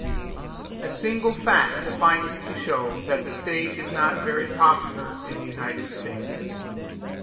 A single fact suffices to show that the stage is not very popular in the United States.